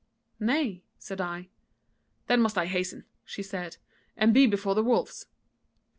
'Nay,' said I. 'Then must I hasten,' she said, 'and be before the wolves.'